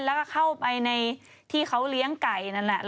แล้วก็เข้าไปในที่เขาเลี้ยงไก่นั้น